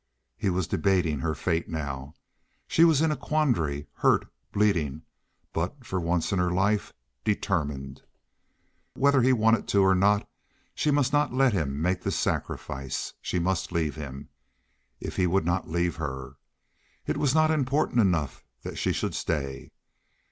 He was debating her fate now. She was in a quandary, hurt, bleeding, but for once in her life, determined. Whether he wanted to or not, she must not let him make this sacrifice. She must leave him—if he would not leave her. It was not important enough that she should stay.